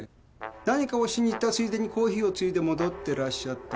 何かをしに行ったついでにコーヒーをついで戻ってらっしゃった。